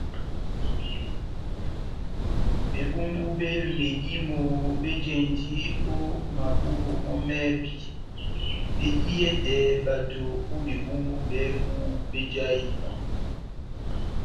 Bebumbu be medímo bejahindi o maboho mɔ mɛhɛpi mediyedɛhɛ bato o bebumbu bɛbu bejahinɔ.